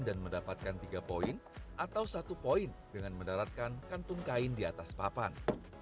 dan mendapatkan tiga poin atau satu poin dengan mendaratkan kantung kain di atas papan